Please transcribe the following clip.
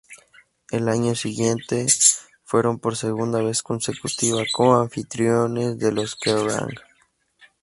El año siguiente, fueron por segunda vez consecutiva co-anfitriones de los Kerrang!